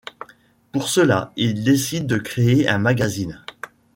Pour cela il décide de créer un magazine.